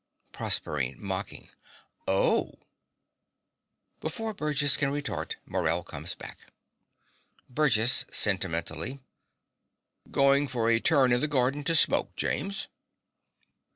PROSERPINE (mocking). Oh! (Before Burgess can retort, Morell comes back.) BURGESS (sentimentally). Goin' for a turn in the garden to smoke, James.